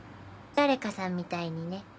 誰かさんみたいにね。